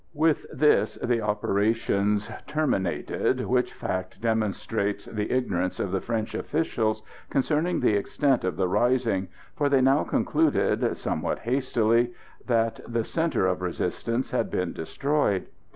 With this the operations terminated, which fact demonstrates the ignorance of the French officials concerning the extent of the rising, for they now concluded, somewhat hastily, that the centre of resistance had been destroyed.